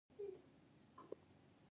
کله داسې هم پېښېږي چې پانګوال ماشین پېري